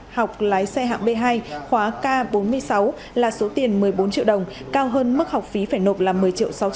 học lái xe hạng b hai khóa k bốn mươi sáu là số tiền một mươi bốn triệu đồng cao hơn mức học phí phải nộp là một mươi triệu sáu trăm linh